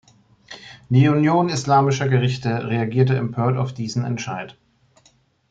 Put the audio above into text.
Die Union islamischer Gerichte reagierte empört auf diesen Entscheid.